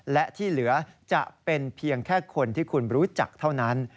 และที่เหลือจะเป็นเพียงแค่คนที่คุณรู้จักเท่านั้น